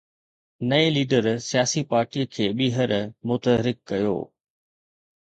نئين ليڊر سياسي پارٽيءَ کي ٻيهر متحرڪ ڪيو